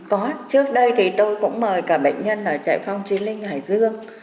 có trước đây thì tôi cũng mời cả bệnh nhân ở trại phong trí linh hải dương